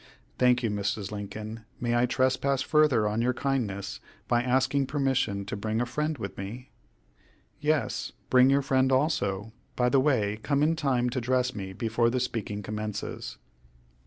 "Thank you, Mrs. Lincoln. May I trespass further on your kindness by asking permission to bring a friend with me?" "Yes, bring your friend also. By the way, come in time to dress me before the speaking commences."